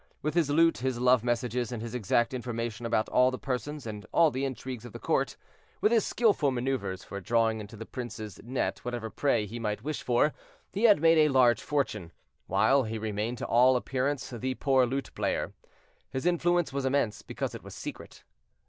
With his lute, his love messages, and his exact information about all the persons and all the intrigues of the court—with his skillful maneuvers for drawing into the prince's net whatever prey he might wish for, he had made a large fortune, while he remained to all appearance the poor luteplayer. His influence was immense, because it was secret.